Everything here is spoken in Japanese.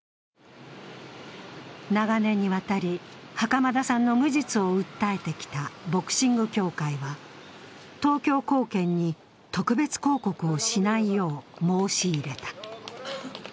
長年にわたり袴田さんの無実を訴えてきたボクシング協会は東京高検に特別抗告をしないよう申し入れた。